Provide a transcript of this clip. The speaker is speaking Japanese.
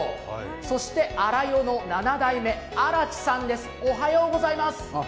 そして、あら与の７代目、荒木さんです。